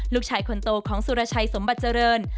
ลูกชายคนโตของสุรชัยสมบัติเจริญ